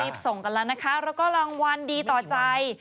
ส่งกันแล้วนะคะแล้วก็รางวัลดีต่อใจ